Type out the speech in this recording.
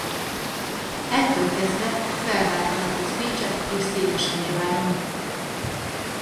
Ettől kezdve felváltva lakott Pécsett és Székesfehérváron.